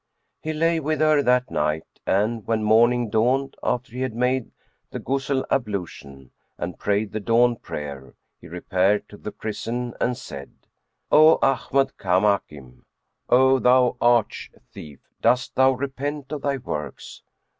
He lay with her that night and, when morning dawned, after he had made the Ghusl ablution and prayed the dawn prayer, he repaired to the prison and said, "O Ahmad Kamakim, O thou arch thief, dost thou repent of thy works?"